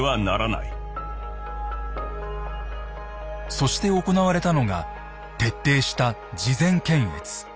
そして行われたのが徹底した「事前検閲」。